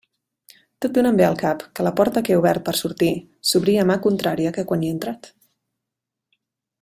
Tot d'una em ve al cap que la porta que he obert per sortir s'obria a mà contrària que quan hi he entrat.